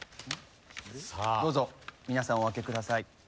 どうぞ皆さんお開けください。